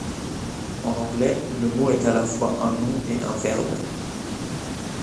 En anglais, le mot est à la fois un nom et un verbe.